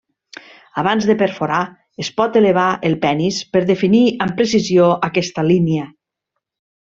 Abans de perforar, es pot elevar el penis per definir amb precisió aquesta línia.